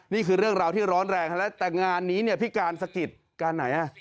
นี่คือเรื่องราวที่ร้อนแรงแล้วแต่งานนี้เนี่ยพี่การสะกิดการไหนอ่ะ